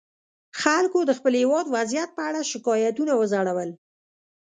خلکو د خپل هېواد وضعیت په اړه شکایتونه وځړول.